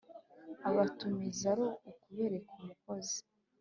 abatumiza ari ukubereka umukozi